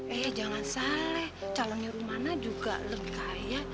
eh jangan salah ya calonnya rumana juga lebih kaya